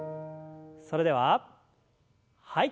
それでははい。